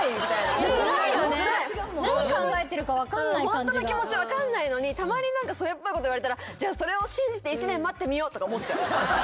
ホントの気持ち分かんないのにたまにそれっぽいこと言われたらじゃあそれを信じて１年待ってみようとか思っちゃう。